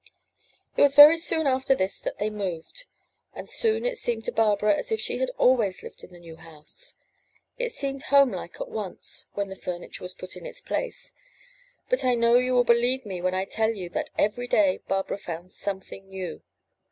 It was very soon after this that they moved, and soon it seemed to Barbara as if she had always lived in the new house. It seemed home like at once when the furniture was put in its place; but I know you will believe me when I tell you that every day Barbara found something new.